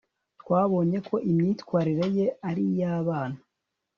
twabonye ko imyitwarire ye ari iy'abana